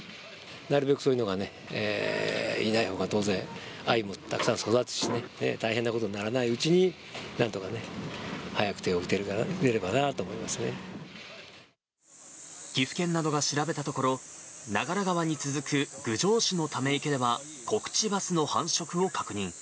なるべくそういうのがいないほうが当然、あゆもたくさん育つしね、大変なことにならないうちに、なんとかね、岐阜県などが調べたところ、長良川に続く郡上市のため池では、コクチバスの繁殖を確認。